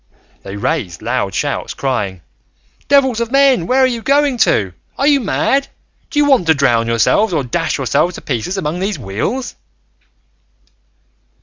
They raised loud shouts, crying, "Devils of men, where are you going to? Are you mad? Do you want to drown yourselves, or dash yourselves to pieces among these wheels?"